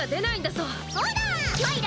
そうだ！